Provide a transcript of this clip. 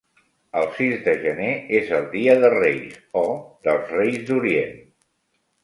El sis de gener és el dia de Reis, o dels Reis d’Orient.